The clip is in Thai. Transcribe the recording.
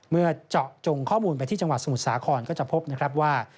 เมื่อเจาะจงข้อมูลไปที่จังหวัดสมุทรสาครก็จะพบนะครับว่า